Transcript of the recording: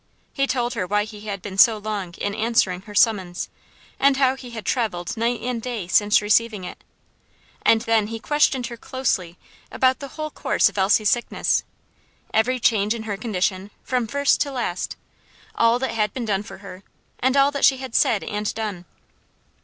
He told her why he had been so long in answering her summons, and how he had travelled night and day since receiving it; and then he questioned her closely about the whole course of Elsie's sickness every change in her condition, from first to last all that had been done for her and all that she had said and done.